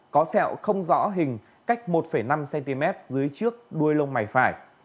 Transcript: có sẹo không rõ hình cách một năm cm dưới trước đuôi lông mày phải